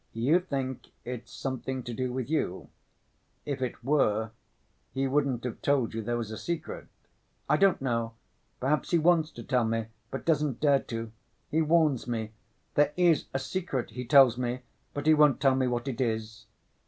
"You think it's something to do with you? If it were, he wouldn't have told you there was a secret." "I don't know. Perhaps he wants to tell me, but doesn't dare to. He warns me. There is a secret, he tells me, but he won't tell me what it is."